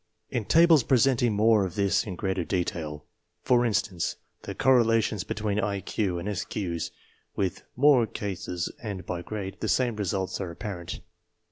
In tables presenting more of this in greater detail, for instance the correlations betwefn IQ and SQ's with more cases and by grade, the same results are apparent.